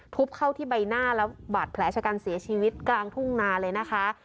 เข้าที่ใบหน้าแล้วบาดแผลชะกันเสียชีวิตกลางทุ่งนาเลยนะคะ